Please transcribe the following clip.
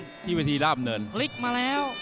เพียงวิธีรับแนิน